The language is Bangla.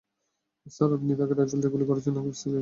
স্যার, আপনি তাকে রাইফেল দিয়ে গুলি করেছেন নাকি পিস্তল দিয়ে?